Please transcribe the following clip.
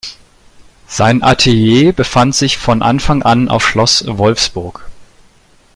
Sein Atelier befand sich von Anfang an auf Schloss Wolfsburg.